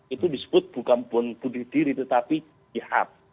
itu disebut bukan pembunuh diri tetapi jihad